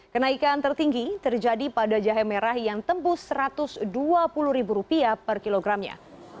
kenaikan tertinggi terjadi pada jahe merah yang tembus rp satu ratus dua puluh per kilogramnya